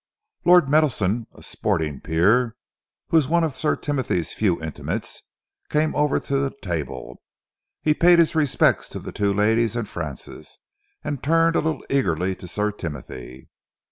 Lord Meadowson, a sporting peer, who was one of Sir Timothy's few intimates, came over to the table. He paid his respects to the two ladies and Francis, and turned a little eagerly to Sir Timothy.